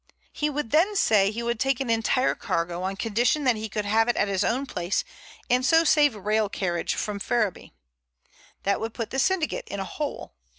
He would then say he would take an entire cargo on condition that he could have it at his own place and so save rail carriage from Ferriby. That would put the syndicate in a hole.